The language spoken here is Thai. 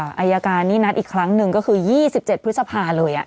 อายการนี้นัดอีกครั้งหนึ่งก็คือ๒๗พฤษภาเลย